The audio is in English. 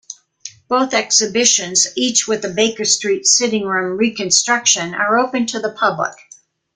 Both exhibitions, each with a Baker Street sitting-room reconstruction, are open to the public.